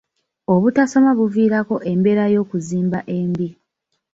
Obutasoma buviirako embeera y'okuzimba embi.